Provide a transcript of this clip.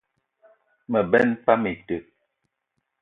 Me benn pam ite.